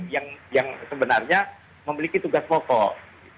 yang sebenarnya memiliki tugas pokok